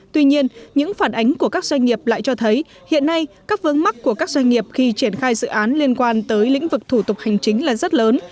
tuy nhiên những phản ánh của các doanh nghiệp lại cho thấy hiện nay các vướng mắt của các doanh nghiệp khi triển khai dự án liên quan tới lĩnh vực thủ tục hành chính là rất lớn